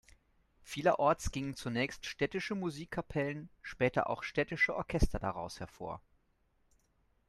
Vielerorts gingen zunächst städtische Musikkapellen, später auch städtische Orchester daraus hervor.